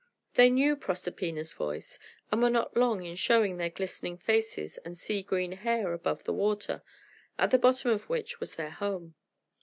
They knew Proserpina's voice, and were not long in showing their glistening faces and sea green hair above the water, at the bottom of which was their home.